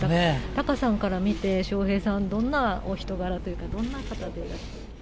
タカさんから見て、笑瓶さん、どんなお人柄というか、どんな方でいらした？